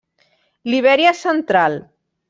Libèria central.